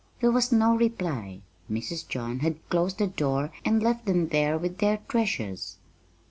There was no reply. Mrs. John had closed the door and left them there with their treasures.